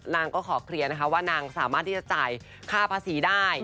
นางก็ขอเคลียร์นะคะว่านางสามารถที่จะจ่ายค่าภาษีได้